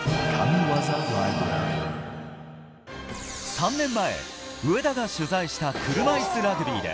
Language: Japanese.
３年前、上田が取材した車いすラグビーで。